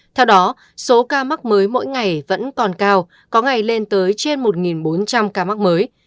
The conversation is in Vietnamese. theo đó số ca mắc mới mỗi ngày vẫn còn cao có ngày lên tới trên một bốn trăm linh ca mắc mới